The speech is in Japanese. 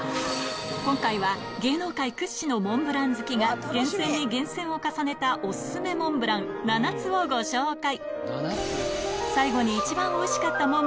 今回は芸能界屈指のモンブラン好きが厳選に厳選を重ねたおすすめモンブラン７つをご紹介